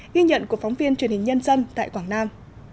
ghi nhận của phóng viên truyền hình nhân dân tại quảng nam